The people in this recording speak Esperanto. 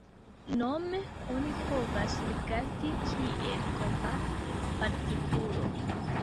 Nome oni povas rigardi kiel kompara partikulo.”